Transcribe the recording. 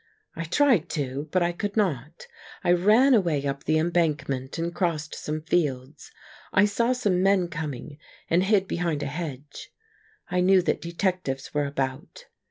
I tried to, but I could not. I ran away up the em bankment and crossed some fields. I saw some men coming and hid behind a hedge. I knew that de tectives were about.